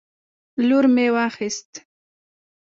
لور مې واخیست